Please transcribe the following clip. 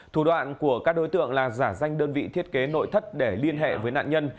thủ đoạn của các đối tượng là giả danh đơn vị thiết kế nội thất để liên hệ với nạn nhân